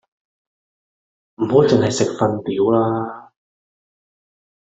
唔好剩係食同瞓啦！